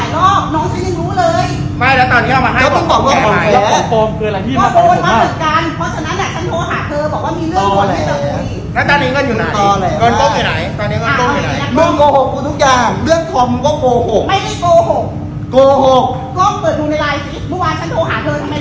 ก็เปิดดูในไลน์คลิปทุกวันฉันโทรหาเธอทำไมเธอไม่ตอบ